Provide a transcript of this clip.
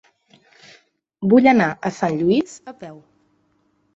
Vull anar a Sant Lluís a peu.